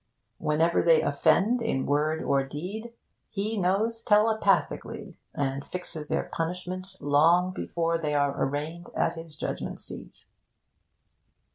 Whenever they offend in word or deed, he knows telepathically, and fixes their punishment, long before they are arraigned at his judgment seat.